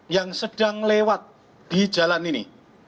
yang sedang lewat di jalan ini